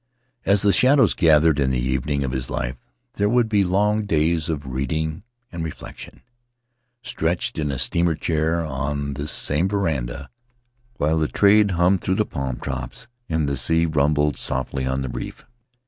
As the shadows gathered in the evening of his life there would be long days of reading and reflection — stretched in a steamer chair on this same veranda, while the trade hummed through the palm tops and the sea rumbled softly on the reef.